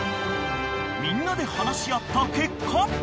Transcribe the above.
［みんなで話し合った結果］